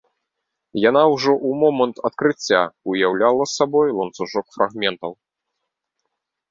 Яна ўжо ў момант адкрыцця ўяўляла сабой ланцужок фрагментаў.